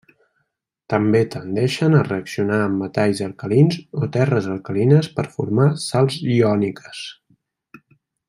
També tendeixen a reaccionar amb metalls alcalins o terres alcalines per formar sals iòniques.